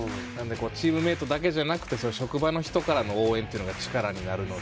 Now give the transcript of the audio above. チームメートだけじゃなくてそういう職場の人からの応援っていうのは力になるので。